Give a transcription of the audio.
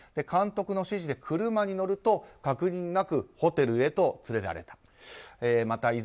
監督の指示で車に乗ると確認なくホテルへと連れられた。